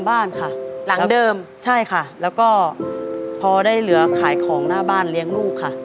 บ้านค่ะหลังเดิมใช่ค่ะแล้วก็พอได้เหลือขายของหน้าบ้านเลี้ยงลูกค่ะ